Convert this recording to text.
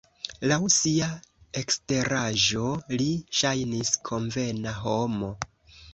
Laŭ sia eksteraĵo li ŝajnis konvena homo.